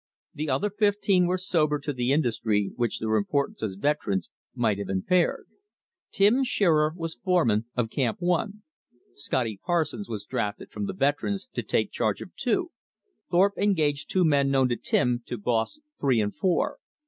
The other fifteen were sobered to the industry which their importance as veterans might have impaired. Tim Shearer was foreman of Camp One; Scotty Parsons was drafted from the veterans to take charge of Two; Thorpe engaged two men known to Tim to boss Three and Four.